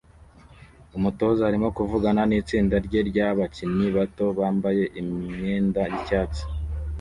Umutoza arimo kuvugana nitsinda rye ryabakinnyi bato bambaye imyenda yicyatsi